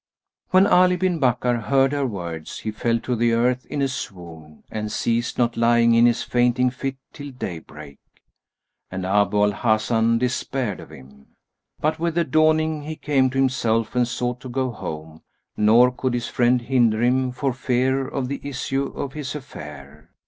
When Ali bin Bakkar heard her words, he fell to the earth in a swoon and ceased not lying in his fainting fit till day break; and Abu al Hasan despaired of him. But, with the dawning, he came to himself and sought to go home; nor could his friend hinder him, for fear of the issue of his affair.